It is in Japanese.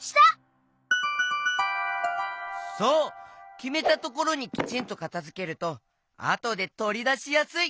きめたところにきちんとかたづけるとあとでとりだしやすい。